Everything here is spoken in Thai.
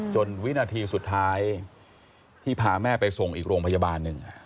วินาทีสุดท้ายที่พาแม่ไปส่งอีกโรงพยาบาลหนึ่ง